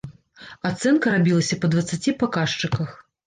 Ацэнка рабілася па дваццаці паказчыках.